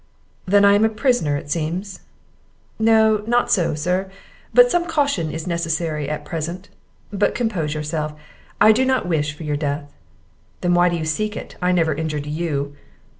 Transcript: "Then I am a prisoner, it seems?" "No, not so, sir; but some caution is necessary at present. But compose yourself, I do not wish for your death." "Then why did you seek it? I never injured you."